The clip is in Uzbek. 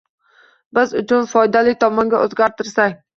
Biz uchun foydali tomonga o’zgartirsak